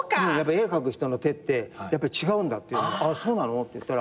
絵を描く人の手ってやっぱり違うんだって言うからそうなのって言ったら。